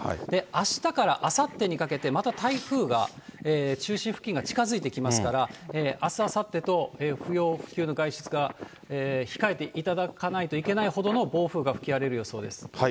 あしたからあさってにかけて、また台風が、中心付近が近づいてきますから、あす、あさってと不要不急の外出は控えていただかないといけないほどの暴風が吹き荒れる予想です。